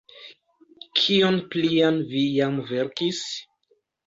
Kion plian vi jam verkis?